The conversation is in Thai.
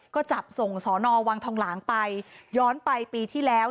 ก็จับส่งสอนอวังทองหลางไปย้อนไปปีที่แล้ว